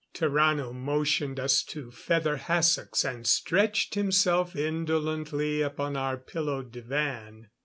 Tarrano motioned us to feather hassocks and stretched himself indolently upon our pillowed divan.